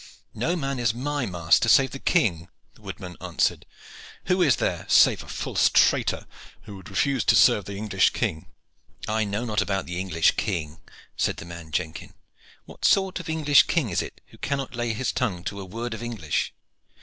"No man is my master save the King," the woodman answered. "Who is there, save a false traitor, who would refuse to serve the English king?" "I know not about the English king," said the man Jenkin. "What sort of English king is it who cannot lay his tongue to a word of English?